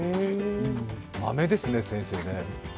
マメですね、先生。